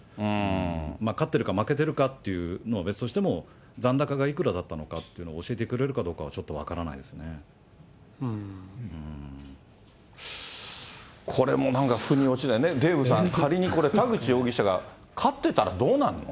勝ってるか負けてるかというのは別としても、残高がいくらだったのかというのを教えてくれるかどうかは、ちょこれもなんかふに落ちない、デーブさん、仮にこれ、田口容疑者が勝ってたらどうなの？